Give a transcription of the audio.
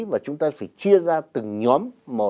và chúng ta phải chia ra từng nhóm